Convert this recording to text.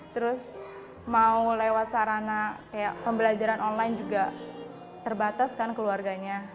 terus mau lewat sarana kayak pembelajaran online juga terbatas kan keluarganya